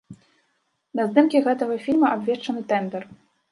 На здымкі гэтага фільма абвешчаны тэндар.